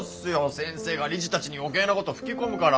先生が理事たちに余計なこと吹き込むから。